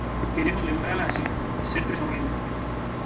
Queremos lembrala así, sempre sorrindo.